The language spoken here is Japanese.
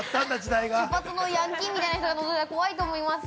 ◆茶髪のヤンキーみたいな人がのぞいたら怖いと思います。